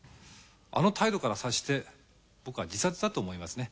あの態度から察して僕は自殺だと思いますね。